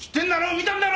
見たんだろ？